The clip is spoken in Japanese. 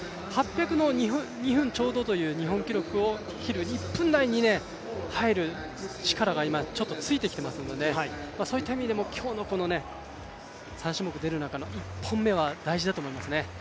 ８００の２分ちょうどという日本記録を切る１分台に入る力が今ついてきていますのでそういった意味でも今日の３種目入る中の１本目は大事だと思います。